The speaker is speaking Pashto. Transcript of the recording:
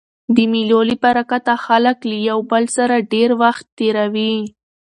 د مېلو له برکته خلک له یو بل سره ډېر وخت تېروي.